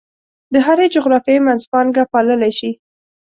د هرې جغرافیې منځپانګه پاللی شي.